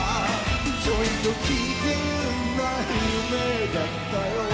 「ちょいと危険な夢だったよ」